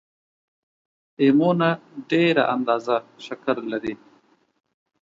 امونه ډېره اندازه شکر لري